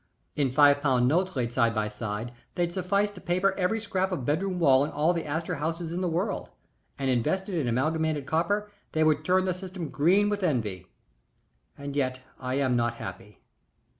In five pound notes laid side by side they'd suffice to paper every scrap of bedroom wall in all the Astor houses in the world, and invested in Amalgamated Copper they would turn the system green with envy and yet I am not happy.